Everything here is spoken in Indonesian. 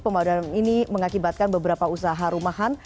pemadaman ini mengakibatkan beberapa usaha rumahan